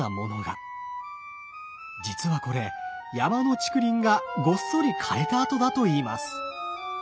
実はこれ山の竹林がごっそり枯れた跡だといいます。